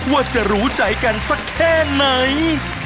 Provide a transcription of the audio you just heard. ว่าจะรู้ใจกันสักแค่ไหน